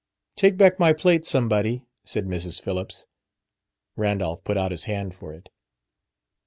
"Take back my plate, somebody," said Mrs. Phillips. Randolph put out his hand for it.